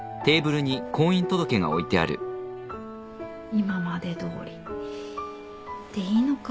今までどおりでいいのか？